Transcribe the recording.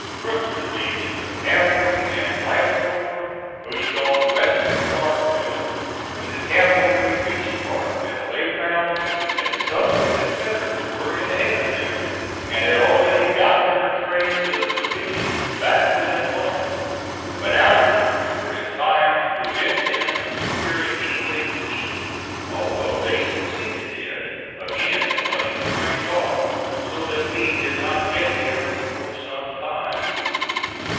Crook's division of cavalry and Wright's corps pushed on west of Farmville. When the cavalry reached Farmville they found that some of the Confederates were in ahead of them, and had already got their trains of provisions back to that point; but our troops were in time to prevent them from securing anything to eat, although they succeeded in again running the trains off, so that we did not get them for some time.